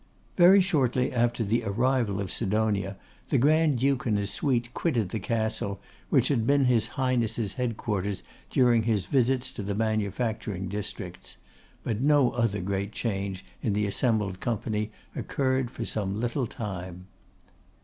Very shortly after the arrival of Sidonia, the Grand duke and his suite quitted the Castle, which had been his Highness' head quarters during his visit to the manufacturing districts; but no other great change in the assembled company occurred for some little time.